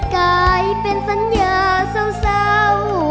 กลายเป็นสัญญาเศร้า